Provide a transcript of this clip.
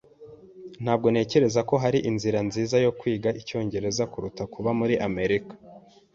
Ntabwo ntekereza ko hari inzira nziza yo kwiga icyongereza kuruta kuba muri Amerika.